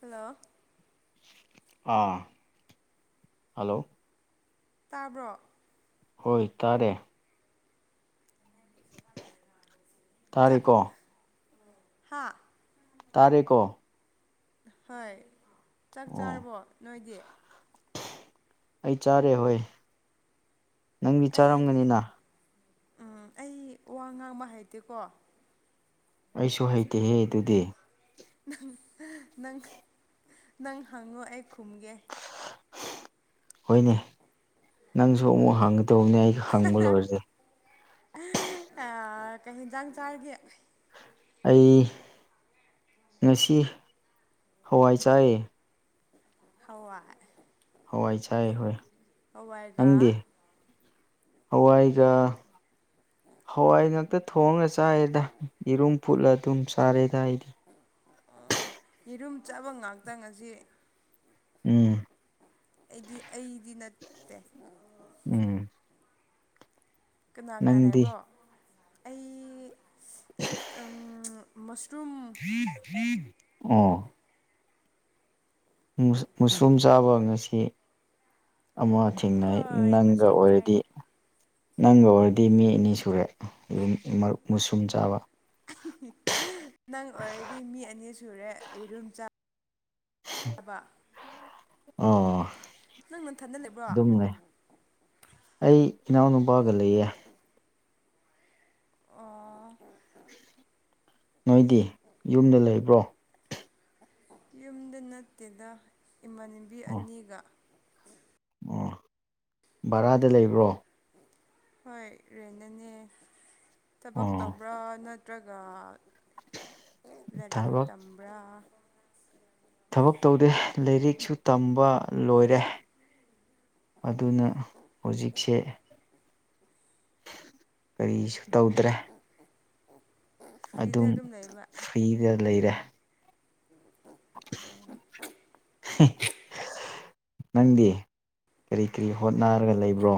hello ꯑꯥ hello ꯇꯥꯕ꯭ꯔꯣ ꯍꯣꯏ ꯇꯥꯔꯦ ꯇꯥꯔꯤꯀꯣ ꯍꯥꯥ ꯇꯥꯔꯦꯀꯣ ꯍꯣꯏ ꯆꯥꯛ ꯑꯣ ꯆꯥꯔꯕꯣ ꯅꯣꯏꯗꯤ ꯑꯩ ꯆꯥꯔꯦ ꯍꯣꯏ ꯅꯪꯗꯤ ꯑꯩ ꯆꯥꯔꯝꯒꯅꯤꯅ ꯎꯝ ꯑꯩ ꯋꯥ ꯉꯥꯡꯕ ꯍꯩꯇꯦꯀꯣ ꯑꯩꯁꯨ ꯍꯩꯇꯦꯍꯦ ꯑꯗꯨꯗꯤ ꯅꯪ ꯅꯪ ꯅꯪ ꯍꯪꯉꯣ ꯑꯩ ꯈꯨꯝꯒꯦ ꯍꯣꯏꯅꯦ ꯅꯪꯁꯨ ꯑꯃꯨꯛ ꯍꯥꯡꯒ ꯇꯧꯕꯅꯦ ꯑꯩ ꯍꯪꯕ ꯍꯥꯍꯥ ꯂꯣꯏꯔꯗꯤ ꯑꯥ ꯀꯩ ꯌꯦꯟꯖꯥꯡ ꯆꯥꯒꯦ ꯑꯩ ꯉꯁꯤ ꯍꯋꯥꯏ ꯆꯥꯏꯌꯦ ꯍꯋꯥꯏ ꯍꯋꯥꯏ ꯆꯥꯏ ꯍꯣꯏ ꯍꯋꯥꯏꯒꯥ ꯅꯪꯗꯤ ꯍꯋꯥꯏꯒ ꯍꯋꯥꯏ ꯉꯥꯛꯛꯇ ꯊꯣꯡꯉ ꯆꯥꯏꯔꯦꯗ ꯌꯦꯔꯨꯝ ꯐꯨꯠꯂ ꯑꯗꯨꯝ ꯆꯥꯔꯦꯗ ꯑꯩꯗꯤ ꯌꯦꯔꯨꯝ ꯆꯥꯕ ꯉꯥꯛꯇ ꯉꯁꯤ ꯎꯝ ꯑꯩꯗꯤ ꯑꯩꯗꯤ ꯅꯠꯇꯦ ꯎꯝ ꯀꯅꯥ ꯀꯅꯥꯅ ꯅꯪꯗꯤ ꯂꯩꯕ꯭ꯔꯣ ꯑꯩ ꯎꯝ ꯃꯁꯔꯨꯝ ꯑꯣ ꯃꯁꯔꯨꯝ ꯆꯥꯕ ꯉꯁꯤ ꯑꯃ ꯊꯦꯡꯅꯩ ꯍꯣꯏ ꯅꯪꯒ ꯃꯁꯔꯨꯝ ꯑꯣꯏꯔꯗꯤ ꯆꯥꯏꯌꯦ ꯅꯪꯒ ꯑꯣꯏꯔꯗꯤ ꯃꯤ ꯑꯅꯤ ꯁꯨꯔꯦ ꯑꯗꯨ ꯃꯁꯔꯨꯝ ꯆꯥꯕ ꯅꯪ ꯑꯣꯏꯔꯗꯤ ꯃꯤ ꯑꯅꯤ ꯁꯨꯔꯦ ꯌꯦꯔꯨꯝ ꯆꯥ ꯕꯥ ꯑꯣ ꯅꯪ ꯅꯟꯊꯟꯗ ꯂꯩꯕꯔꯣ ꯑꯗꯨꯝ ꯂꯩ ꯑꯩ ꯏꯅꯥꯎ ꯅꯨꯨꯄꯥꯒ ꯂꯩꯌꯦ ꯑꯣ ꯅꯣꯏꯗꯤ ꯌꯨꯝꯗ ꯂꯩꯕ꯭ꯔꯣ ꯌꯨꯝꯗ ꯅꯠꯇꯦꯗ ꯏꯃꯥꯟꯅꯕꯤ ꯑꯣ ꯑꯅꯤꯒ ꯑꯣ ꯚꯔꯥꯗ ꯂꯩꯕ꯭ꯔꯣ ꯍꯣꯏ ꯔꯦꯅꯗꯅꯦ ꯊꯕꯛ ꯑꯣ ꯇꯧꯕ꯭ꯔꯥ ꯅꯠꯇ꯭ꯔꯒ ꯂꯔꯤꯛ ꯊꯕꯛ ꯇꯝꯕ꯭ꯔꯥ ꯊꯕꯛ ꯇꯧꯗꯦ ꯂꯥꯏꯔꯤꯛꯁꯨ ꯇꯝꯕ ꯂꯣꯏꯔꯦ ꯑꯗꯨꯅ ꯍꯧꯖꯤꯛꯁꯦ ꯀꯔꯤꯁꯨ ꯇꯧꯗ꯭ꯔꯦ ꯐ꯭ꯔꯤꯗ ꯑꯗꯨꯝ ꯂꯩꯕ ꯐ꯭ꯔꯤꯗ ꯂꯩꯔꯦ [unintelligible] [unintelligible] ꯅꯪꯗꯤ ꯀꯔꯤ ꯀꯔꯤ ꯍꯣꯠꯅꯔꯒ ꯂꯩꯕ꯭ꯔꯣ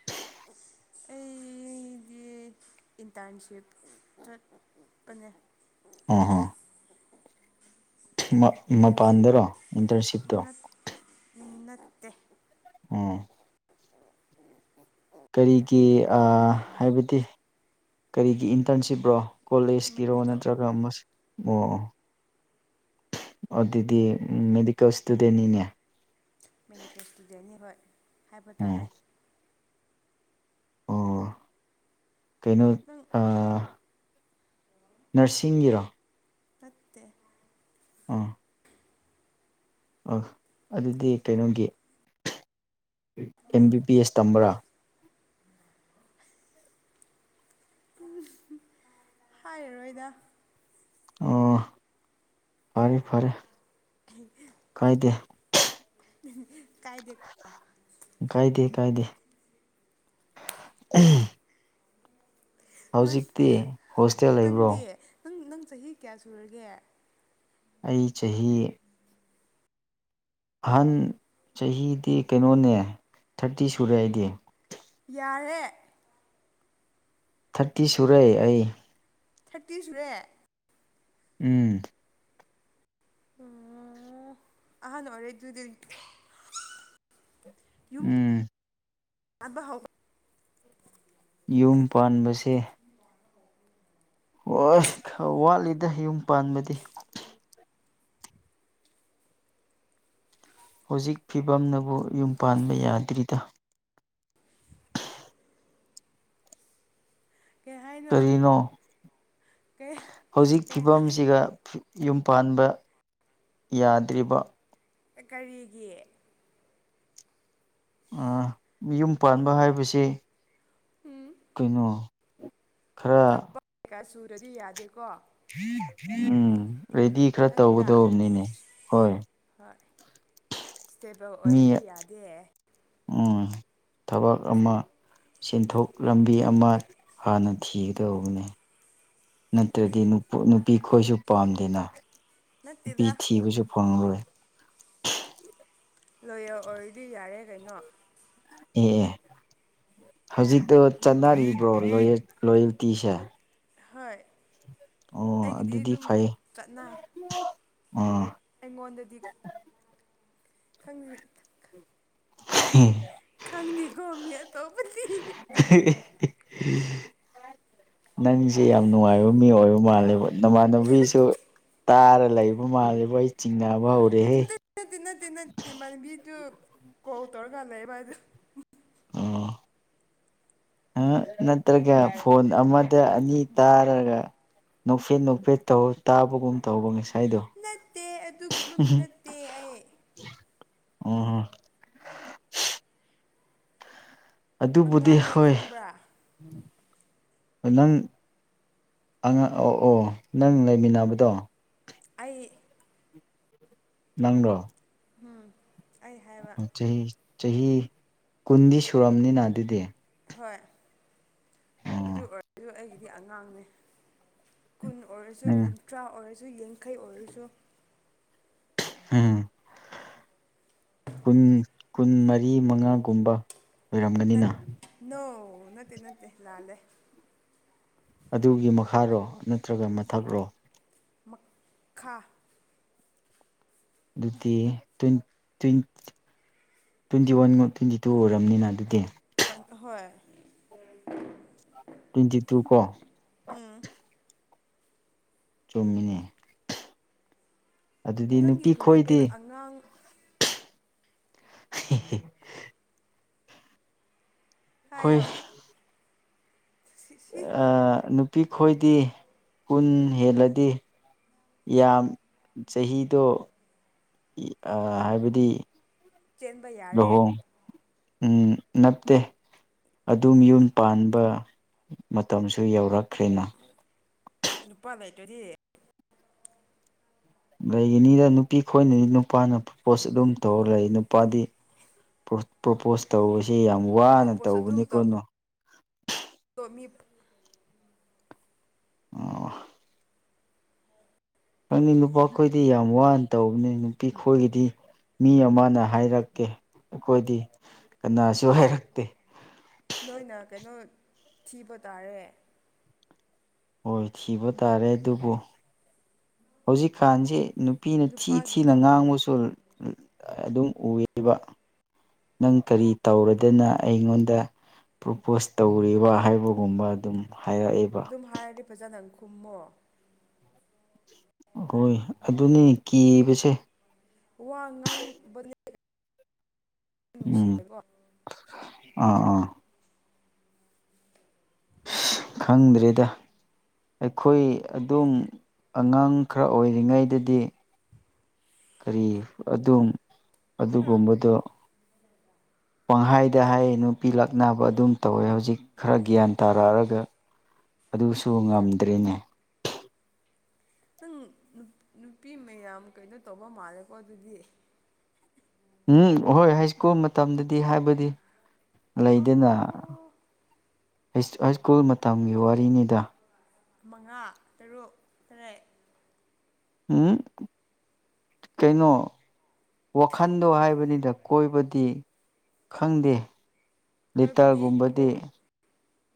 [unintelligible] ꯑꯩꯗꯤ ꯏꯟꯇ꯭ꯔꯟꯁꯤꯞ ꯆꯠꯄꯅꯦ ꯑꯣ ꯑꯣ ꯃ ꯃꯄꯥꯟꯗꯔꯣ ꯏꯟꯇꯔꯟꯁꯤꯞꯇꯣ ꯅꯠ ꯅꯠꯇꯦ ꯎꯝ ꯀꯔꯤꯒꯤ ꯑꯥ ꯍꯥꯏꯕꯗꯤ ꯀꯔꯤꯒꯤ ꯏꯟꯇ꯭ꯔꯟꯁꯤꯞꯔꯣ ꯀꯣꯂꯦꯖꯀꯤꯔꯣ ꯃꯦꯗꯤꯀꯦꯜ ꯅꯠꯇ꯭ꯔꯒ ꯑꯃ [unintelligible] ꯑꯣ ꯑꯣ ꯑꯗꯨꯗꯤ ꯃꯦꯗꯤꯀꯦꯜ ꯏꯁꯇꯨꯗꯦꯟꯅꯤꯅꯦ ꯃꯅꯤꯄꯨꯔ ꯏꯁꯇꯨꯗꯦꯟꯅꯤ ꯍꯣꯏ ꯍꯥꯏꯕ ꯇꯥꯔꯦ ꯎꯝ ꯑꯣ ꯀꯩꯅꯣ ꯅꯪ ꯑꯥ ꯅꯔꯁꯤꯡꯒꯤꯔꯣ ꯇꯠꯇꯦ ꯑꯥ ꯑ ꯑꯗꯨꯗꯤ ꯀꯩꯅꯣꯒꯤ ꯑꯦꯝ ꯕꯤ ꯕꯤ ꯑꯦꯁ ꯇꯝꯕ꯭ꯔꯥ ꯍꯥꯏꯔꯔꯣꯏꯗ ꯑꯣ ꯐꯔꯦ ꯐꯔꯦ [unintelligible] ꯀꯥꯏꯗꯦ ꯀꯥꯏꯗꯦ ꯀꯥꯏꯗꯦ ꯀꯥꯏꯗꯦ ꯅꯪ ꯍꯧꯖꯤꯛꯇꯤ ꯍꯣꯁꯇꯦꯜ ꯂꯩꯕ꯭ꯔꯣ ꯅꯪꯗꯤ ꯅꯪ ꯅꯪ ꯆꯍꯤ ꯀꯌꯥ ꯁꯨꯔꯒꯦ ꯑꯩ ꯆꯍꯤ ꯑꯍꯟ ꯆꯍꯤꯗꯤ ꯀꯩꯅꯣꯅꯦ ꯊꯥꯔꯇꯤ ꯁꯨꯔꯦ ꯑꯩꯗꯤ ꯌꯥꯏꯍꯦ ꯊꯔꯇꯤ ꯁꯨꯔꯦ ꯑꯩ ꯊꯔꯇꯤ ꯁꯨꯔꯦ ꯎꯝ ꯑꯍꯟ ꯑꯣꯏꯔꯦ ꯗꯨꯗꯤ ꯌꯨꯝ ꯎꯝ [unintelligible] ꯌꯨꯝ ꯄꯥꯟꯕꯁꯦ [unintelligible] ꯋꯥꯠꯂꯤꯗ ꯌꯨꯝ ꯄꯥꯟꯕꯗꯤ ꯍꯧꯖꯤꯛ ꯐꯤꯕꯝꯅꯕꯨ ꯌꯨꯝ ꯄꯥꯟꯕ ꯌꯥꯗ꯭ꯔꯤꯗ ꯀꯩ ꯍꯥꯏꯅꯣ ꯀꯔꯤꯅꯣ ꯀꯩ ꯍꯧꯖꯤꯛ ꯀꯩ ꯍꯥꯏ ꯐꯤꯕꯝꯁꯤꯒ ꯌꯨꯝ ꯄꯥꯟꯕ ꯌꯥꯗ꯭ꯔꯤꯕ ꯀꯔꯤꯒꯤ ꯑꯥ ꯌꯨꯝ ꯄꯥꯟꯕ ꯍꯥꯏꯕꯁꯤ ꯀꯩꯅꯣ ꯈꯔ ꯊꯕꯛ ꯀꯩꯀꯥ ꯁꯨꯔꯗꯤ ꯌꯥꯗꯦꯀꯣ ꯎꯝ ꯔꯦꯗꯤ ꯈꯔ ꯅꯠꯇ꯭ꯔꯥ ꯇꯧꯒꯗꯧꯕꯅꯤꯅꯦ ꯍꯣꯏ ꯍꯣꯏ ꯏꯁꯇꯦꯕꯜ ꯃꯤ ꯑꯣꯏꯗꯔꯗꯤ ꯌꯥꯗꯦ ꯎꯝ ꯊꯕꯛ ꯑꯃ ꯁꯦꯟꯊꯣꯛ ꯂꯝꯕꯤ ꯑꯃ ꯍꯥꯟꯅ ꯊꯤꯒꯗꯧꯕꯅꯤ ꯅꯠꯇ꯭ꯔꯗꯤ ꯅꯨꯞ ꯅꯨꯄꯤ ꯈꯣꯏꯁꯨ ꯄꯥꯝꯗꯦꯅ ꯅꯨꯄꯤ ꯅꯠꯇꯦꯗ ꯊꯤꯕꯁꯨ ꯐꯪꯂꯔꯣꯏ ꯂꯣꯌꯦꯜ ꯑꯣꯏꯔꯗꯤ ꯌꯥꯔꯦ ꯀꯩꯅꯣ ꯑꯦ ꯑꯦ ꯍꯧꯖꯤꯛꯇꯣ ꯆꯠꯅꯔꯤꯕ꯭ꯔꯣ ꯂꯣꯌꯦꯜ ꯂꯣꯌꯦꯜꯇꯤꯁꯦ ꯍꯣꯏ ꯑꯣ ꯑꯩꯒꯤꯗꯤ ꯑꯗꯨꯗꯤ ꯑꯗꯨꯝ ꯐꯩ ꯆꯠꯅꯩ ꯑꯣ ꯑꯩꯉꯣꯟꯗꯗꯤ ꯈꯪ [inaudible] [unintelligible] ꯍꯤ ꯈꯪꯗꯦꯀꯣ ꯃꯤ ꯑꯇꯣꯞꯄꯗꯤ ꯍꯤ ꯍꯤ ꯍꯤ ꯅꯪꯁꯦ ꯌꯥꯝ ꯅꯨꯡꯉꯥꯏꯕ ꯃꯤ ꯑꯣꯏꯕ ꯃꯥꯜꯂꯦꯕ ꯅꯃꯥꯟꯅꯕꯤꯁꯨ ꯇꯥꯔ ꯂꯩꯕ ꯃꯥꯜꯂꯦꯕꯣ ꯑꯩ ꯆꯤꯡꯅꯕ ꯍꯧꯔꯦꯍꯦ ꯅꯠꯇꯦ ꯅꯠꯇꯦ ꯅꯠꯇꯦ ꯅꯠꯇꯦ ꯏꯃꯥꯟꯅꯕꯤꯗꯨ ꯀꯣꯜ ꯇꯧꯔꯒꯂꯩꯕ ꯑꯗꯨ ꯑꯣ ꯎꯝ ꯅꯠꯇ꯭ꯔꯒ ꯐꯣꯟ ꯑꯃꯗ ꯑꯅꯤ ꯇꯥꯔꯒ ꯅꯣꯛꯐꯦꯠ ꯅꯣꯛꯐꯦꯠ ꯇꯧ ꯇꯥꯕꯒꯨꯝ ꯇꯧꯕ ꯉꯁꯥꯏꯗꯣ ꯅꯠꯇꯦ ꯑꯗꯨꯒꯨꯝꯕ ꯃꯤ ꯅꯠꯇꯦ ꯑꯩ ꯑꯣ ꯍꯣ ꯑꯗꯨꯕꯨꯗꯤ ꯑꯉꯥꯡꯅꯦ ꯍꯣꯏ ꯈꯪꯕ꯭ꯔꯥ ꯅꯪ ꯑꯉꯥꯡ ꯑꯣ ꯑꯣ ꯅꯪ ꯂꯩꯃꯤꯟꯅꯕꯗꯣ ꯑꯩ ꯅꯪꯗꯣ ꯍꯨꯝ ꯆꯍꯤ ꯆꯍꯤ ꯀꯨꯟꯗꯤ ꯁꯨꯔꯝꯃꯅꯤꯅ ꯑꯗꯨꯗꯤ ꯍꯣꯏ ꯑꯗꯨ ꯑꯣ ꯑꯣꯏꯔꯁꯨ ꯑꯩꯒꯤꯗꯤ ꯑꯉꯥꯡꯅꯦ ꯀꯨꯟ ꯑꯣꯏꯔꯁꯨ ꯅꯪ ꯀꯨꯟꯊ꯭ꯔꯥ ꯑꯣꯏꯔꯁꯨ ꯌꯥꯡꯈꯩ ꯑꯣꯏꯔꯁꯨ ꯎꯝ ꯀꯨꯟ ꯀꯨꯟ ꯃꯔꯤ ꯃꯉꯥꯒꯨꯝꯕ ꯅꯠ ꯑꯣꯏꯔꯝꯒꯅꯤꯅ ꯅꯣ ꯅꯠꯇꯦ ꯅꯠꯇꯦ ꯂꯥꯜꯂꯦ ꯑꯗꯨꯒꯤ ꯃꯈꯥꯔꯣ ꯅꯠꯇ꯭ꯔꯒ ꯃꯊꯛꯔꯣ ꯃꯛ ꯈꯥ ꯑꯗꯨꯗꯤ ꯇ꯭ꯋꯦꯟ ꯇ꯭ꯋꯦꯟꯇꯤ ꯇ꯭ꯋꯦꯟꯇꯤ ꯋꯥꯟ ꯑꯃ ꯇ꯭ꯋꯦꯟꯇꯤ ꯇꯨ ꯑꯣꯏꯔꯝꯅꯤꯅ ꯑꯗꯨꯗꯤ ꯍꯣꯏ ꯇ꯭ꯋꯦꯟꯇꯤ ꯇꯨ ꯀꯣ ꯆꯨꯝꯃꯤꯅꯤ ꯅꯪꯒꯤ ꯅꯨꯄꯤ ꯈꯨꯟꯖꯦꯜꯁꯦ ꯈꯣꯏꯗꯤ ꯑꯉꯥꯡ ꯏ ꯍꯤ ꯍꯤ ꯍꯣꯏ ꯍꯥꯏꯌꯣ ꯁꯤ ꯁꯤ ꯑꯥ ꯅꯨꯄꯤ ꯈꯣꯏꯗꯤ ꯀꯨꯟ ꯍꯦꯜꯂꯗꯤ ꯌꯥꯝ ꯆꯍꯤꯗꯣ ꯑꯥ ꯍꯥꯏꯕꯗꯤ ꯆꯦꯟꯕ ꯌꯥꯔꯦ ꯂꯨꯍꯣꯡ ꯎꯝ ꯅꯠꯇꯦ ꯑꯗꯨꯝ ꯌꯨꯝ ꯄꯥꯟꯕ ꯃꯇꯝꯁꯨ ꯌꯧꯔꯛꯈ꯭ꯔꯦꯅ ꯅꯨꯄꯥ ꯂꯩꯇꯔꯥꯗꯤ ꯂꯩꯒꯤꯅꯤꯗ ꯅꯨꯄꯤ ꯈꯣꯏꯅꯅꯤ ꯅꯨꯄꯥꯅ ꯄ꯭ꯔꯣꯄꯣꯁ ꯑꯗꯨꯝ ꯇꯧꯔ ꯂꯩ ꯅꯨꯄꯥꯗꯤ ꯄ꯭ꯔꯣꯄꯣꯁ ꯇꯧꯕꯁꯦ ꯌꯥꯝ ꯋꯥꯅ ꯄ꯭ꯔꯣꯄꯣꯁ ꯑꯗꯨꯝ ꯇꯧꯕꯅꯤ ꯀꯣ ꯅꯣ ꯇꯧꯕꯗꯣ [unintelligible] ꯑꯣ ꯈꯪꯉꯤ ꯅꯨꯄꯥ ꯈꯣꯏꯗꯤ ꯌꯥꯝ ꯋꯥꯅ ꯇꯧꯕꯅꯤ ꯅꯨꯄꯤꯈꯣꯏꯒꯤꯗꯤ ꯃꯤ ꯑꯃꯅ ꯍꯥꯏꯔꯛꯀꯦ ꯑꯩꯈꯣꯏꯗꯤ ꯀꯅꯥꯁꯨ ꯍꯥꯏꯔꯛꯇꯦ ꯅꯣꯏꯅ ꯀꯩꯅꯣ ꯊꯤꯕ ꯇꯥꯔꯦ ꯍꯣꯏ ꯊꯤꯕ ꯇꯥꯔꯦ ꯑꯗꯨꯕꯨ ꯍꯧꯖꯤꯛꯀꯥꯟꯁꯤ ꯅꯨꯄꯤꯅ ꯊꯤ ꯅꯨꯄꯥꯒꯤ ꯊꯤꯅ ꯊꯕꯛ ꯉꯥꯡꯕꯁꯨ ꯑꯗꯨꯝ ꯎꯌꯦꯕ ꯅꯪ ꯀꯔꯤ ꯇꯧꯔꯗꯅ ꯑꯩꯉꯣꯟꯗ ꯄ꯭ꯔꯣꯄꯣꯁ ꯇꯧꯔꯤꯕ ꯍꯥꯏꯕꯒꯨꯝꯕ ꯑꯗꯨꯝ ꯍꯥꯏꯔꯛꯑꯦ ꯁꯨꯝ ꯍꯥꯏꯔꯗꯤ ꯐꯖꯥꯅ ꯈꯨꯝꯃꯣ ꯑꯩꯈꯣꯏ ꯑꯗꯨꯅꯤ ꯀꯤꯕꯁꯦ ꯋꯥ ꯉꯥꯡ ꯎꯝ ꯅꯨꯡꯁꯤꯕꯀꯣ ꯑꯥ ꯑꯥ ꯈꯪꯗ꯭ꯔꯦꯗ ꯑꯩꯈꯣꯏ ꯑꯗꯨꯝ ꯑꯉꯥꯡ ꯈꯔ ꯑꯣꯏꯔꯤꯉꯩꯗꯗꯤ ꯀꯔꯤ ꯑꯗꯨꯝ ꯑꯗꯨꯒꯨꯝꯕꯗꯣ ꯄꯪꯍꯥꯏꯗ ꯍꯥꯏ ꯅꯨꯄꯤ ꯂꯥꯛꯅꯕ ꯑꯗꯨꯝ ꯇꯧꯔ ꯍꯧꯖꯤꯛ ꯈꯔ ꯒ꯭ꯌꯥꯟ ꯇꯥꯔꯛꯑꯒ ꯑꯗꯨꯁꯨ ꯉꯝꯗ꯭ꯔꯤꯅꯦ ꯅꯪ ꯅꯨꯄꯤ ꯃꯌꯥꯝ ꯀꯩꯅꯣ ꯇꯧꯕ ꯃꯥꯜꯂꯦꯀꯣ ꯑꯗꯨꯗꯤ ꯎꯝ ꯍꯣꯏ ꯍꯥꯏ ꯁ꯭ꯀꯨꯜ ꯃꯇꯝꯗꯗꯤ ꯍꯥꯏꯕꯗꯤ ꯂꯩꯗꯅ ꯑꯣ ꯍꯥꯏ ꯁ꯭ꯀꯨꯜ ꯃꯇꯝꯒꯤ ꯋꯥꯔꯤꯅꯤꯗ ꯃꯉꯥ ꯇꯔꯨꯛ ꯇꯔꯦꯠ ꯎꯝ ꯀꯩꯅꯣ ꯋꯥꯈꯟꯗꯣ ꯍꯥꯏꯕꯅꯤꯅ ꯀꯣꯏꯕꯗꯤ ꯈꯪꯗꯦ ꯑꯩꯈꯣꯏꯕꯨꯗꯤ ꯂꯤꯇꯒꯨꯝꯕꯗꯤ ꯑꯍꯨꯝ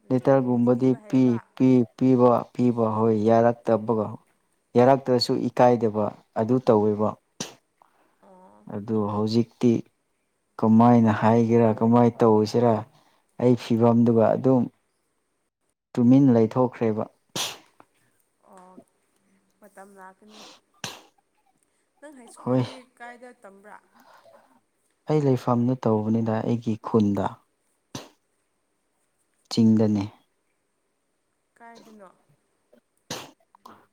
ꯂꯦꯇꯔꯒꯨꯝꯕꯗꯤ ꯂꯤꯇꯒꯨꯝꯕꯗꯤ ꯄꯤꯕ ꯄꯤ ꯍꯩꯕ ꯄꯤ ꯄꯤꯕ ꯄꯤꯕ ꯍꯣꯏ ꯌꯥꯔꯛꯇꯕꯒ ꯌꯥꯔꯛꯇ꯭ꯔꯁꯨ ꯏꯀꯥꯏꯗꯕ ꯑꯗꯨ ꯇꯧꯋꯦꯕ ꯑꯣ ꯑꯗꯨ ꯍꯧꯖꯤꯛꯇꯤ ꯀꯃꯥꯏꯅ ꯍꯥꯏꯒꯦꯔꯥ ꯀꯃꯥꯏꯅ ꯇꯧꯁꯤꯔꯥ ꯑꯩ ꯐꯤꯕꯝꯗꯨꯒ ꯑꯗꯨꯝ ꯇꯨꯃꯤꯟ ꯂꯩꯊꯣꯛꯈ꯭ꯔꯦꯕ ꯑꯣ ꯃꯇꯝ ꯂꯥꯛꯀꯅꯤ ꯅꯪ ꯍꯥꯏ ꯍꯣꯏ ꯁ꯭ꯀꯨꯜꯗꯤ ꯀꯥꯏꯗ ꯇꯝꯕ꯭ꯔꯥ ꯑꯩ ꯂꯩꯐꯝꯗ ꯇꯧꯕꯅꯤꯅ ꯑꯩꯒꯤ ꯈꯨꯟꯗ ꯆꯤꯡꯗꯅꯦ ꯀꯥꯏꯗꯅꯣ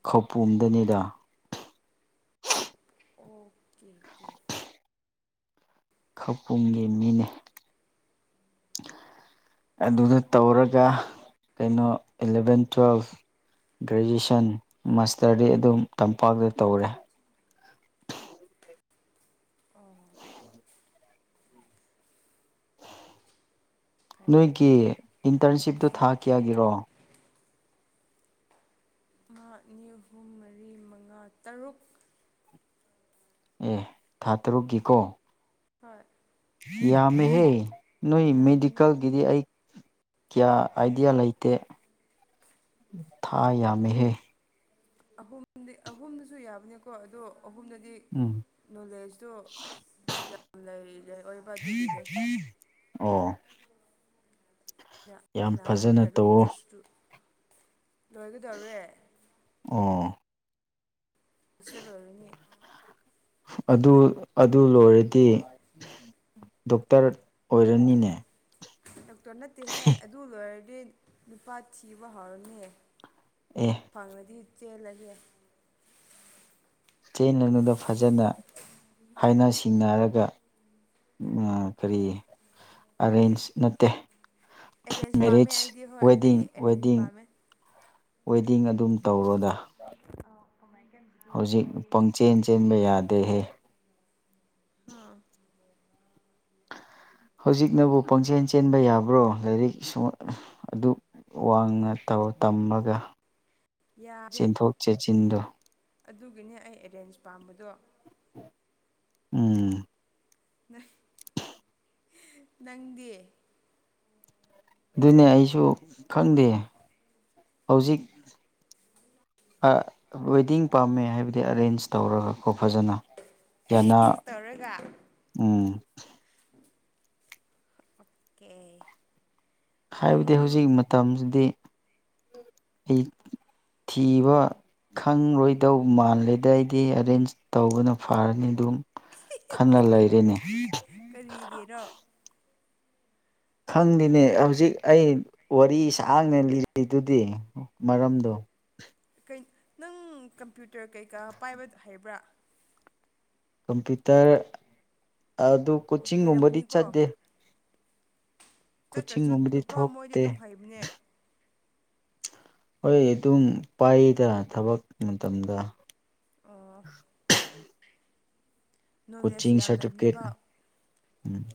ꯈꯧꯄꯨꯝꯗꯅꯤꯗ ꯑꯣꯀꯦꯀꯦ ꯈꯧꯄꯨꯝꯒꯤ ꯃꯤꯅꯦ ꯑꯗꯨꯗ ꯇꯧꯔꯒ ꯀꯩꯅꯣ ꯏꯜꯂꯚꯦꯟ ꯇꯨꯋꯦꯜꯐ ꯒ꯭ꯔꯦꯖꯨꯌꯦꯁꯟ ꯃꯥꯁꯇꯔꯗꯤ ꯑꯗꯨꯝ ꯇꯝꯄꯥꯛꯇ ꯇꯧꯔꯦ ꯑꯣ [inaudible] ꯐꯩꯌꯦ ꯅꯣꯏꯒꯤ ꯐꯩꯌꯦ ꯏꯟꯇꯔꯟꯁꯤꯞꯇꯣ ꯊꯥ ꯎꯝꯍꯨꯝ ꯀꯌꯥꯒꯤꯔꯣ ꯑꯃ ꯑꯅꯤ ꯑꯍꯨꯝ ꯃꯔꯤ ꯃꯉꯥ ꯇꯔꯨꯛ ꯑꯦ ꯊꯥ ꯇꯔꯨꯛꯀꯤꯀꯣ ꯍꯣꯏ ꯌꯥꯝꯃꯦꯍꯦ ꯅꯣꯏ ꯌꯥꯝꯕꯅꯦ ꯃꯦꯗꯤꯀꯦꯜꯒꯤꯗꯤ ꯑꯩ ꯀꯌꯥ ꯑꯥꯏꯗꯤꯌꯥ ꯂꯩꯇꯦ ꯊꯥ ꯌꯥꯝꯃꯤꯍꯦ ꯑꯍꯨꯝꯗꯤ ꯑꯍꯨꯝꯗꯨꯁꯨ ꯌꯥꯕꯅꯦꯀꯣ ꯑꯗꯣ ꯑꯗꯨꯝꯗꯗꯤ ꯎꯝ ꯅꯣꯂꯦꯖꯇꯣ ꯒ꯭ꯌꯥꯟ ꯂꯩꯔꯤꯔꯦ ꯑꯣꯏꯕ ꯑꯗꯨꯒꯤꯅꯦ ꯑꯣ ꯌꯥꯝ [unintelligible] ꯐꯖꯅ ꯇꯔꯨꯛ ꯇꯧꯋꯣ ꯆꯨꯁꯨ ꯂꯣꯏꯒꯗꯧꯔꯦ ꯑꯣ ꯍꯣꯁꯇꯦꯜ ꯂꯣꯏ ꯔꯅꯤ ꯑꯗꯨ ꯑꯗꯨ ꯂꯣꯏꯔꯗꯤ ꯗꯣꯛꯇꯔ ꯑꯣꯏꯔꯅꯤꯅꯦ ꯗꯣꯛꯇꯔ ꯅꯠꯇꯦꯍꯦ ꯑꯗꯨ ꯂꯣꯏꯔꯗꯤ ꯂꯨꯄꯥ ꯊꯤꯕ ꯍꯧꯔꯅꯤ ꯑꯣ ꯐꯪꯉꯗꯤ ꯆꯦꯜꯂꯒꯦ ꯆꯇꯦꯟꯅꯅꯨꯡꯗ ꯐꯖꯅ ꯍꯥꯏꯅ ꯁꯤꯡꯅꯔꯒ ꯀꯔꯤ ꯑꯔꯦꯟꯖ ꯅꯠꯇꯦ ꯑꯦꯔꯦꯟꯖ ꯄꯥꯝꯃꯦ ꯃꯦꯔꯤꯖ ꯑꯩꯗꯤ ꯍꯣꯏ ꯋꯦꯗꯤꯡ ꯑꯩ ꯑꯦꯔꯦꯟꯖ ꯋꯦꯗꯤꯡ ꯄꯥꯝꯃꯦ ꯋꯦꯗꯤꯡ ꯑꯗꯨꯝ ꯇꯧꯔꯣꯗ ꯑꯣꯖꯅꯥꯏꯀꯟ [unintelligible] ꯍꯧꯖꯤꯛ ꯄꯪꯆꯦꯟ ꯆꯦꯟꯕ ꯌꯥꯗꯦꯍꯦ ꯍꯥꯥ ꯍꯧꯖꯤꯛꯅꯕꯨ ꯄꯪꯆꯦꯟ ꯆꯦꯟꯕ ꯌꯥꯕ꯭ꯔꯣ ꯂꯥꯏꯔꯤꯛ ꯁ ꯑꯗꯨ ꯋꯥꯡꯅꯥ ꯇꯧ ꯇꯝꯃꯒ ꯌꯥꯗꯦ ꯆꯦꯟꯊꯣꯛ ꯆꯦꯟꯁꯤꯟꯗꯣ ꯑꯗꯨꯒꯤꯅꯦ ꯑꯩ ꯑꯦꯔꯦꯟꯖ ꯄꯥꯝꯕꯗꯣ ꯎꯝ ꯅ ꯅꯪꯗꯤ ꯑꯗꯨꯅꯦ ꯑꯩꯁꯨ ꯈꯪꯗꯦ ꯍꯧꯖꯤꯛ ꯋꯦꯗꯤꯡ ꯄꯥꯝꯃꯦ ꯍꯥꯏꯕꯗꯤ ꯑꯔꯦꯟꯖ ꯇꯧꯔꯒꯀꯣ ꯐꯖꯅ ꯌꯥꯅ ꯑꯦꯔꯦꯟꯖ ꯇꯧꯔꯒ ꯎꯝ [unintelligible] ꯄꯛꯀꯦ ꯍꯥꯏꯕꯗꯤ ꯍꯧꯖꯤꯛ ꯃꯇꯝꯁꯤꯗꯤ ꯑꯩ ꯊꯤꯕ ꯈꯪꯂꯔꯣꯏꯗꯧ ꯃꯥꯜꯂꯦꯗ ꯑꯩꯗꯤ ꯑꯦꯔꯦꯟꯖ ꯇꯧꯕꯅ ꯐꯔꯅꯤ ꯑꯗꯨꯝ ꯈꯟꯅ ꯂꯩꯔꯑꯦꯅꯦ ꯀꯔꯤꯒꯤꯦꯔꯣ ꯈꯪꯗꯦꯅꯦ ꯍꯧꯖꯤꯛ ꯑꯩ ꯋꯥꯔꯤ ꯁꯥꯡꯅ ꯂꯤꯔꯤꯗꯨꯗꯤ ꯃꯔꯝꯗꯣ ꯅꯪ ꯀꯝꯄ꯭ꯌꯨꯇꯔ ꯀꯩꯀꯥ ꯄꯥꯏꯕ ꯍꯥꯏꯕ꯭ꯔꯥ ꯀꯝꯄ꯭ꯌꯨꯇꯔ ꯑꯗꯨ ꯀꯣꯆꯤꯡꯒꯨꯝꯕꯗꯤ ꯍꯩꯔꯝꯒꯅꯤꯀꯣ ꯆꯠꯇꯦ ꯆꯠꯇ꯭ꯔꯁꯨ ꯀꯣꯆꯤꯡꯒꯨꯝꯕꯗꯤ ꯅꯨꯄꯥ ꯃꯣꯏꯗꯤ ꯊꯣꯛꯇꯦ ꯑꯗꯨꯝ ꯍꯩꯕꯅꯦ ꯍꯣꯏ ꯑꯗꯨꯝ ꯄꯥꯏꯌꯦꯗ ꯊꯕꯛ ꯃꯇꯝꯗ ꯑꯣ ꯅꯣꯂꯦꯖ ꯀꯣꯆꯤꯡ ꯌꯥꯝ ꯁꯥꯔꯇꯤꯐꯤꯀꯦꯠ ꯂꯩꯕꯅꯦꯕ ꯎꯝ